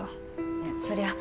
いやそりゃ